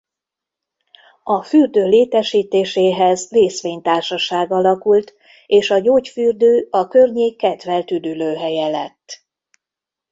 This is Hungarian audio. A fürdő létesítéséhez részvénytársaság alakult és a gyógyfürdő a környék kedvelt üdülőhelye lett.